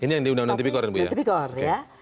yang di undang undang tipikor ya